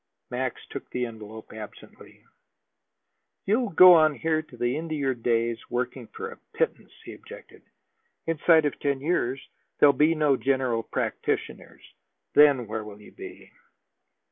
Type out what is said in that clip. Max took the envelope absently. "You'll go on here to the end of your days, working for a pittance," he objected. "Inside of ten years there'll be no general practitioners; then where will you be?"